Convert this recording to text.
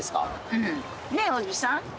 うんねえおじさん